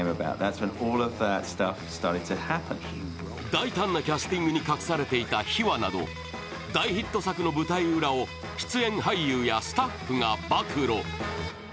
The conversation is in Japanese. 大胆なキャスティングに隠されていた秘話など大ヒット作の舞台裏を、出演俳優やスタッフが暴露。